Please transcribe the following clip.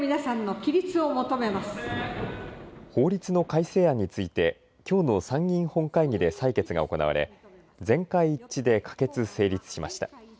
法律の改正案についてきょうの参議院本会議で採決が行われ全会一致で可決・成立しました。